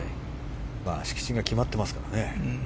敷地が決まっていますからね。